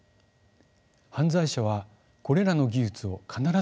犯罪者はこれらの技術を必ず使ってきます。